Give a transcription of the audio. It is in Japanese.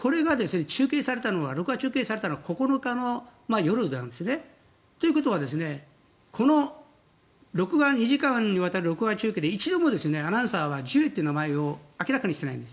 これが録画が中継されたのは９日の夜なんですね。ということは２時間にわたる録画中継で一度もアナウンサーはジュエという名前を明らかにしていないんです。